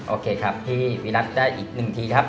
โอเคครับพี่วิรัติได้อีกหนึ่งทีครับ